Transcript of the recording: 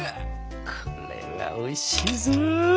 これはおいしいぞ。